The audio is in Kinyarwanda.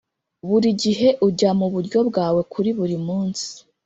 buri gihe ujya muburyo bwawe kuri buri munsi.